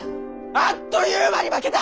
あっという間に負けた！